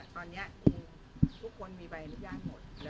ตอนนี้ทุกคนมีใบอนุญาตหมด